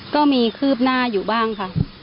คืบหน้าอยู่บ้างค่ะ